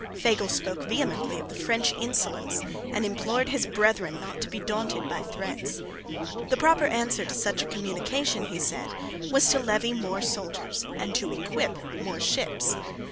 Fagel spoke vehemently of the French insolence, and implored his brethren not to be daunted by threats. The proper answer to such a communication, he said, was to levy more soldiers, and to equip more ships.